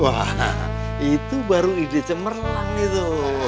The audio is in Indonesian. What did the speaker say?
wah itu baru ide cemerlang itu